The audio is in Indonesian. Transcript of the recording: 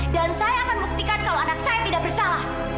dan saya akan buktikan kalau anak saya tidak bersalah